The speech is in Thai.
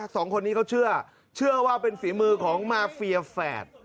สองคนนี้เขาเชื่อเชื่อว่าเป็นฝีมือของมาเฟียแฝด